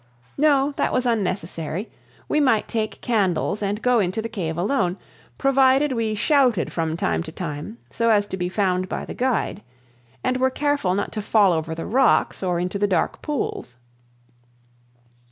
No, that was unnecessary; we might take candles and go into the cave alone, provided we shouted from time to time so as to be found by the guide, and were careful not to fall over the rocks or into the dark pools.